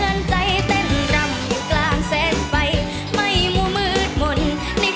รอบนี้เป็นช่วงที่สามทีมที่ชนะคือทีม